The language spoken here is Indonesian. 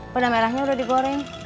pedang merahnya udah digoreng